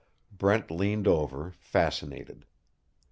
Brent leaned over, fascinated.